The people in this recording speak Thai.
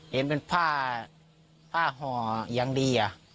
เห็นเป็นผ้าห่อยังดี